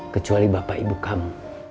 kecuali bapak ibu kamu